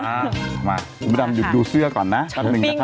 อ้าวมาคุณประดับอยู่ดูเสื้อก่อนนะคันหนึ่งนะครับ